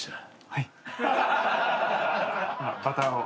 はい。